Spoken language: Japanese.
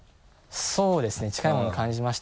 そうですね近いものを感じましたし